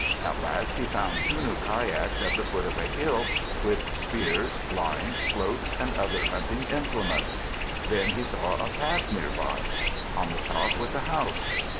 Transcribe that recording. At last he found two new kayaks at the foot of a hill, with spears, lines, floats, and other hunting implements. Then he saw a path nearby. On the top was a house.